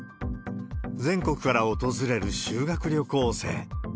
全国から訪れる修学旅行生。